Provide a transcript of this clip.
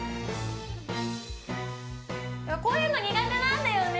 こういうの苦手なんだよね。